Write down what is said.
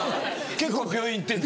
結構病院行ってる。